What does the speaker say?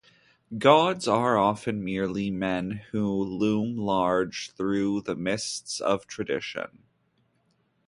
Gods are often merely men who loom large through the mists of tradition.